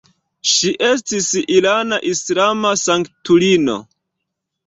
Ŝi estis irana islama sanktulino.